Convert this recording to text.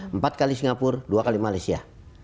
empat kali singapura dua kali malaysia